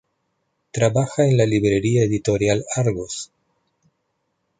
Trabaja en la librería editorial Argos.